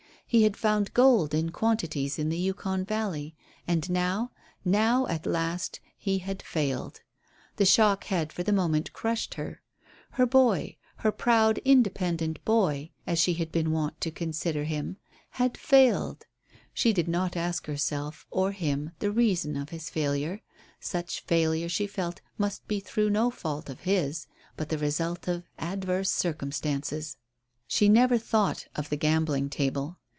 He had found gold in quantities in the Yukon valley, and now now, at last, he had failed. The shock had for the moment crushed her; her boy, her proud independent boy, as she had been wont to consider him, had failed. She did not ask herself, or him, the reason of his failure. Such failure, she felt, must be through no fault of his, but the result of adverse circumstances. She never thought of the gambling table.